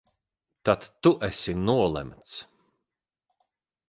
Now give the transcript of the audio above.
Tad tu esi nolemts!